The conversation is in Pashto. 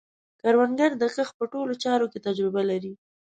کروندګر د کښت په ټولو چارو کې تجربه لري